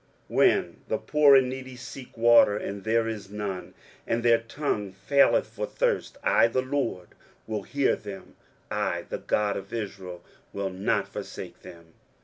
23:041:017 When the poor and needy seek water, and there is none, and their tongue faileth for thirst, I the LORD will hear them, I the God of Israel will not forsake them.